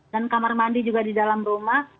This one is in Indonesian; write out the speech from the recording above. dan kamar mandi juga di dalam rumah